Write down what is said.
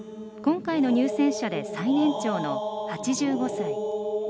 今回の入選者で最年長の８５歳。